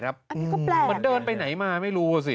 มันเดินไปไหนมาไม่รู้สิ